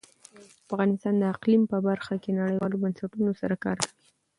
افغانستان د اقلیم په برخه کې نړیوالو بنسټونو سره کار کوي.